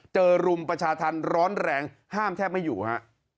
รุมประชาธรรมร้อนแรงห้ามแทบไม่อยู่ฮะ